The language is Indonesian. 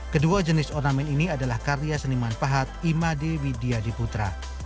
kedua jenis ornamen ini adalah karya seniman pahat imade widyadi putra